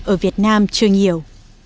ở việt nam chưa nhiều